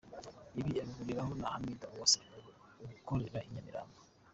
Ibi abihuriraho na Hamida Uwase ukorera i Nyamirambo.